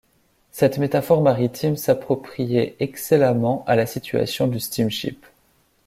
Cette métaphore maritime s’appropriait excellemment à la situation du steam-ship.